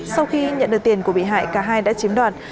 sau khi nhận được tiền của bị hại cả hai đã chiếm đoạt